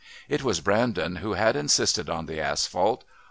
It was Brandon who had insisted on the asphalt.